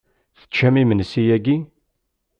Teččam imensi yagi?